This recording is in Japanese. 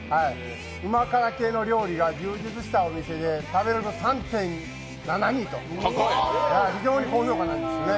うま辛系の料理が充実したお店で、食べログ３．７２と非常に高評価なんですよね。